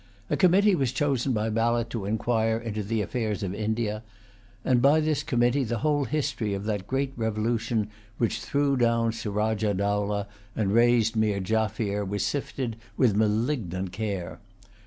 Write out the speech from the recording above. A committee was chosen by ballot to inquire into the affairs of India; and by this committee the whole history of that great revolution which threw down Surajah Dowlah and raised Meer Jaffier was sifted with malignant care.